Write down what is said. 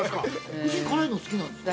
夫人、辛いの好きなんですか。